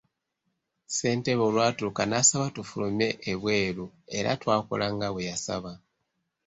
Ssentebe olwatuuka n'asaba tufulume ebweru era twakola nga bwe yasaba.